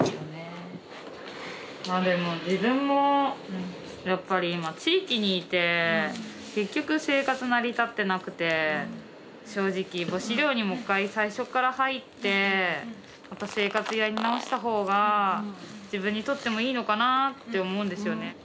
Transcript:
まあでも自分もやっぱり今地域にいて結局生活成り立ってなくて正直母子寮にもう一回最初から入ってまた生活やり直した方が自分にとってもいいのかなあって思うんですよね。